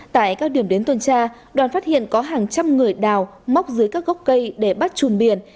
tại các điểm đến tuần tra đoàn phát hiện có hàng trăm người đào móc dưới các gốc cây để bắt chùm biển